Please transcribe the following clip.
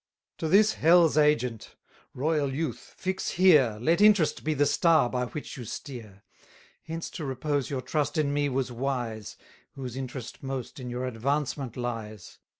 To this hell's agent: Royal youth, fix here, 240 Let interest be the star by which you steer. Hence to repose your trust in me was wise, Whose interest most in your advancement lies.